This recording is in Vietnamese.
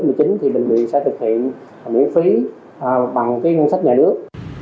bệnh viện sẽ thực hiện miễn phí bằng cái ngân sách nhà nước